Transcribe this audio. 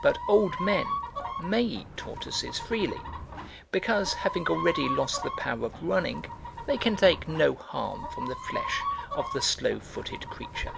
But old men may eat tortoises freely, because having already lost the power of running they can take no harm from the flesh of the slow footed creature.